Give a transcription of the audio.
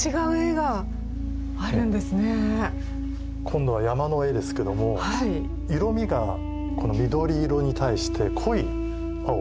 今度は山の絵ですけども色みが緑色に対して濃い青。